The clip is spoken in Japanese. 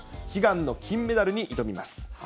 悲願の金メダルに挑みます。